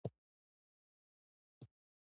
خوړل د شپې خوند زیاتوي